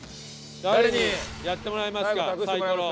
誰にやってもらいますか？